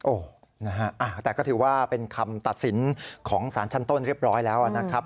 โอ้โหนะฮะแต่ก็ถือว่าเป็นคำตัดสินของสารชั้นต้นเรียบร้อยแล้วนะครับ